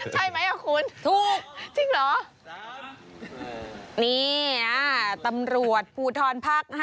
ใช่ไหมครับคุณ